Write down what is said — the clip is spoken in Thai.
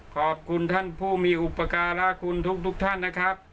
ขอบคุณท่านผู้มีอุปการะคุณทุกท่านนะครับ